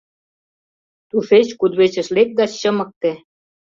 Тушеч кудывечыш лек да чымыкте.